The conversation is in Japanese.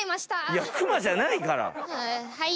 いや熊じゃないから。